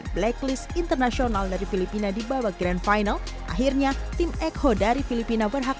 blacklist internasional dari filipina di babak grand final akhirnya tim echo dari filipina berhak